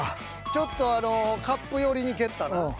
ちょっとカップ寄りに蹴った。